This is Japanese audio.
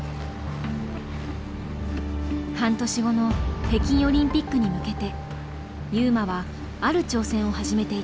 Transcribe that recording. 半年後の北京オリンピックに向けて優真はある挑戦を始めていた。